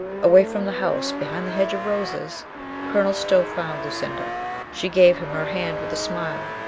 Away from the house, behind the hedge of roses, Colonel Stow found Lucinda. She gave him her hand with a smile.